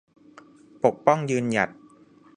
ปกป้อง ยืนหยัด